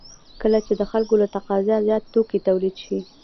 کله چې د خلکو له تقاضا زیات توکي تولید شي